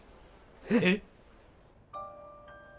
えっ！